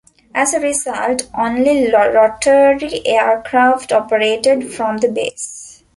As a result, only rotary aircraft operated from the base.